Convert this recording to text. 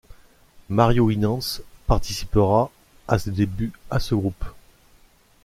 Mario Winans participera à ses débuts à ce groupe.